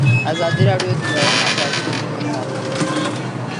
ازادي راډیو د د بیان آزادي بدلونونه څارلي.